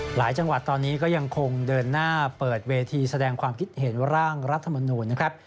หลายจังหวัดตอนนี้ก็ยังคงเดินหน้าเปิดเวทีแสดงความคิดเห็นร่างรัฐมนูลนะครับ